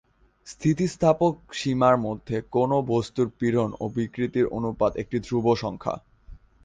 স্থিতিস্থাপক সীমার মধ্যে কোন বস্তুর পীড়ন ও বিকৃতির অনুপাত একটি ধ্রুব সংখ্যা।